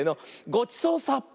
ごちそうさっぱ！